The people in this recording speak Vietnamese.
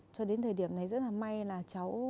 cho đến thời điểm này rất là may là cháu